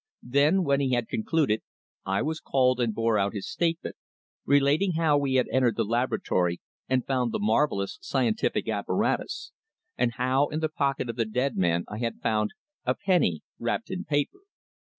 Then, when he had concluded, I was called and bore out his statement, relating how we had entered the laboratory and found the marvellous scientific apparatus, and how in the pocket of the dead man I had found a penny wrapped in paper.